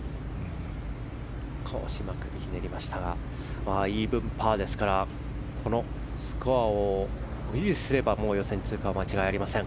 少し首をひねりましたがイーブンパーですからこのスコアを維持すれば予選通過は間違いありません。